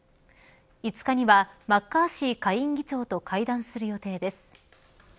５日にはマッカーシー下院議長と会談する予定です。